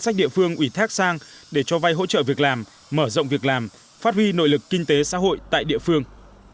cục việc làm mở rộng việc làm phát huy nội lực kinh tế xã hội tại địa phương